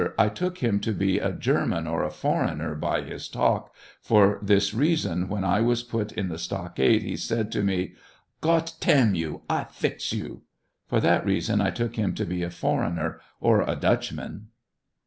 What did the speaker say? I took him to be a German or a foreigner by his talk, for this reason, when I was put III the stocks he said to me, " Gott tam you, I fix you." For that reason I took him to be a foreigner, or a Dutchman.